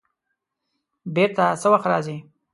بېرته څه وخت راځې؟